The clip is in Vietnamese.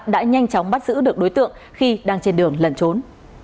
đã nhanh chóng bắt giữ được đối tượng khi đang trên đường lần trốn